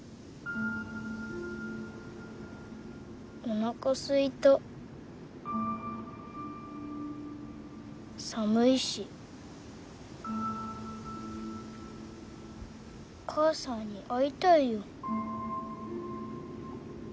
おなかすいた寒いし母さんに会いたいよ